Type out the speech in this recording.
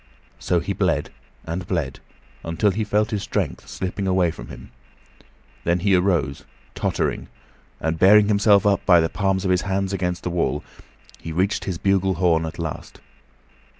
So he bled and bled until he felt his strength slipping away from him. Then he arose, tottering, and bearing himself up by the palms of his hands against the wall, he reached his bugle horn at last.